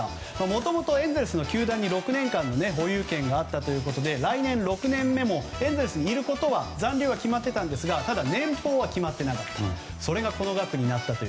もともとエンゼルスの球団に６年間の保有権があったということで来年６年目もエンゼルスにいること残留は決まっていたんですが年俸は決まっていなかったがそれがこの額になったと。